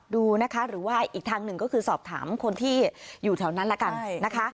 ดูนะคะหรือว่าอีกทางหนึ่งก็คือสอบถามคนที่อยู่แถวนั้นละกันนะคะ